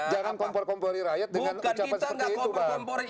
jangan kompor kompori rakyat dengan ucapan seperti itu pak